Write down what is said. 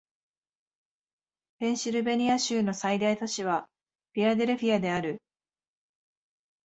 ペンシルベニア州の最大都市はフィラデルフィアである